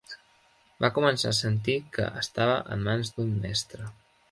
Va començar a sentir que estava en mans d'un mestre.